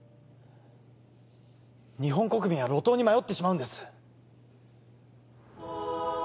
日本国民は路頭に迷ってしまうんです